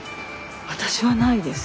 私はないです。